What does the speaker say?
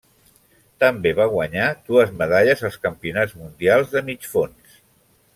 També va guanyar dues medalles als Campionats mundials de Mig fons.